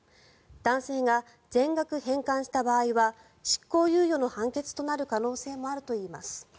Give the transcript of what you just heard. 男性が全額返還した場合は執行猶予の判決となる可能性もあるといいます。